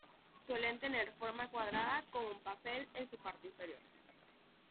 Suelen tener forma cuadrada con un papel en su parte inferior.